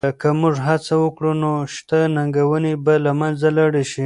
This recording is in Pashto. که موږ هڅه وکړو نو شته ننګونې به له منځه لاړې شي.